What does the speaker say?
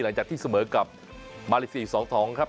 หลังจากที่เสมอกับมารีเซียอีกสองภองครับ